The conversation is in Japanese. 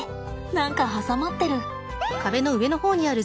何か挟まってる。